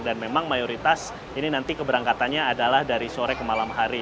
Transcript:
dan memang mayoritas ini nanti keberangkatannya adalah dari sore ke malam hari